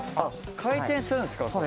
回転するんですか？